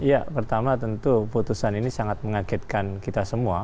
ya pertama tentu putusan ini sangat mengagetkan kita semua